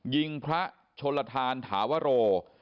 ยิงพระชนลทานถาวโร